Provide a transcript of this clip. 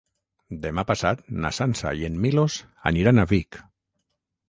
Demà passat na Sança i en Milos aniran a Vic.